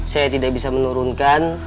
saya tidak bisa menurunkan